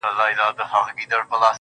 د وینا پر مهال ویلي چې غواړي